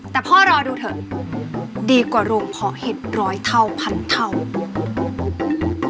แต่พ่อรอดูเถอะดีกว่ารูเพาะเห็ดร้อยเท่าพันเท่า